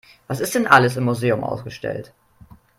Was ist denn alles im Museum ausgestellt?